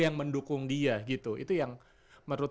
yang mendukung dia gitu itu yang menurut